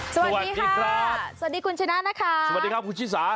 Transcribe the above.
สวัสดีค่ะครับสวัสดีคุณชนะนะคะสวัสดีครับคุณชิสา